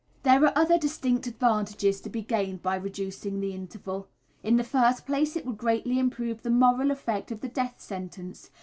There are other distinct advantages to be gained by reducing the interval. In the first place it would greatly improve the moral effect of the death sentence.